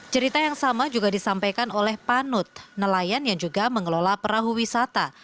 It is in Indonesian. cerita yang sama juga disampaikan oleh panut nelayan yang juga mengelola perahu wisata